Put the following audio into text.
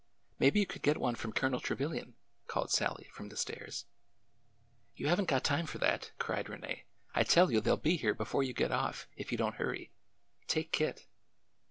" Maybe you could get one from Colonel Trevilian," called Sallie from the stairs. You have n't got time for that," cried Rene. I tell you they 'll be here before you get off, if you don't hurry. Take Kit."